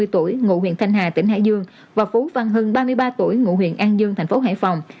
ba mươi tuổi ngụ huyện thanh hà tỉnh hải dương và phú văn hưng ba mươi ba tuổi ngụ huyện an dương thành phố hải phòng